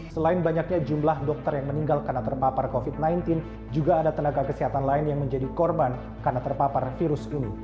selain banyaknya jumlah dokter yang meninggal karena terpapar covid sembilan belas juga ada tenaga kesehatan lain yang menjadi korban karena terpapar virus ini